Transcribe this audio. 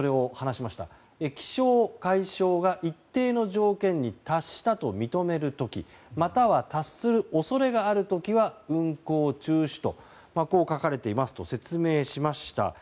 気象・海象が一定の条件に達したと認める時または達する恐れがある時は運航を中止とこう書かれていますと説明しました。